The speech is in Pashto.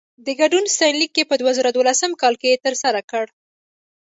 د ګډون ستاینلیک يې په دوه زره دولسم کال کې ترلاسه کړ.